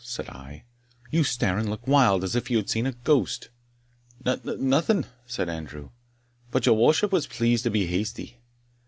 said I; "you stare and look wild, as if you had seen a ghost." "N n no nothing," said Andrew. "but your worship was pleased to be hasty."